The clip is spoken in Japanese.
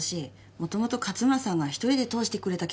もともと勝村さんが１人で通してくれた企画でしたから。